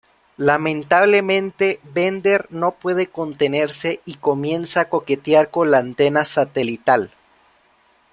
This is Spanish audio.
Lamentablemente, Bender no puede contenerse y comienza a coquetear con La antena satelital.